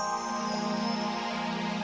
aku akan membawanya ke sini